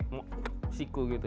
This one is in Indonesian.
perasaan kan kayak kusiku gitu